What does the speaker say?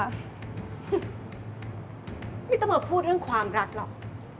ไม่ต้องมาพูดเรื่องความรักหรอก